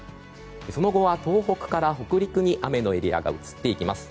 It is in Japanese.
その後は東北から北陸に雨のエリアが移っていきます。